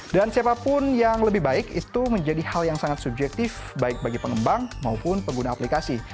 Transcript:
dan siapapun yang lebih baik itu menjadi hal yang sangat subjektif baik bagi pengembang maupun pengguna aplikasi